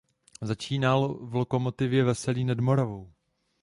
Začínal v Lokomotivě Veselí nad Moravou.